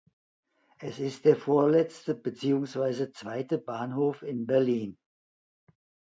Es ist der vorletzte beziehungsweise zweite Bahnhof in Berlin.